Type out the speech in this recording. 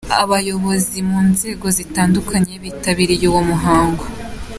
Abayobozi mu nzego zitandukanye bitabiriye uwo muhango.